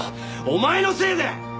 お前のせいで！